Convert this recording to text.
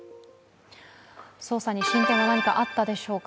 捜査に進展は何かあったでしょうか。